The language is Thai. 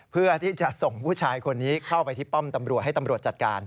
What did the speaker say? เพื่อที่จะส่งผู้ชายคนนี้เข้าไปที่ป้อมตำรวจให้ตำรวจจัดการ